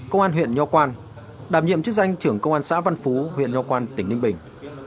công an huyện nho quan đảm nhiệm chức danh trưởng công an xã văn phú huyện nho quan tỉnh ninh bình